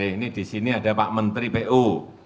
ini di sini ada pak menteri pu